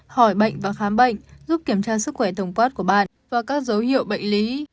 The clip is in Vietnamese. khỏi bệnh và khám bệnh giúp kiểm tra sức khỏe tổng quát của bạn và các dấu hiệu bệnh lý